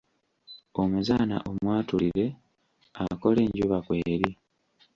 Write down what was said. Omuzaana omwatulire akola enjuba kweri.